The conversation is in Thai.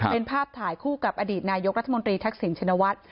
เป็นภาพถ่ายคู่กับอดีตนายกรัฐมนตรีทักษิณชินวัฒน์